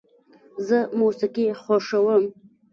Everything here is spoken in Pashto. زه موسیقي خوښوم.